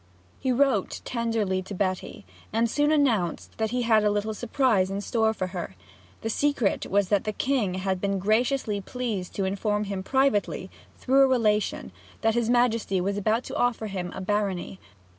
He wrote tenderly to Betty, and soon announced that he had a little surprise in store for her. The secret was that the King had been graciously pleased to inform him privately, through a relation, that His Majesty was about to offer him a Barony.